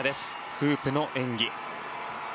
フープの演技。